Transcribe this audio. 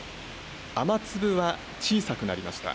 雨粒は小さくなりました。